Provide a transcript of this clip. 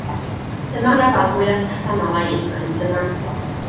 Dyma'r nofel fwyaf personol o'i eiddo hyd yma.